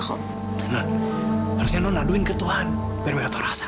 harusnya nona laluin ke tuhan supaya mereka tahu rasa